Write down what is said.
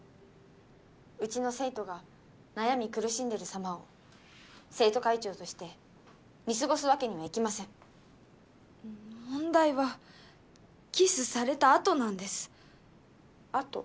うちの生徒が悩み苦しんでる様を生徒会長として見過ごすわけにはいきません問題はキスされたあとなんですあと？